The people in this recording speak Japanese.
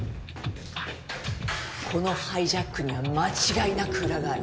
このハイジャックには間違いなく裏がある。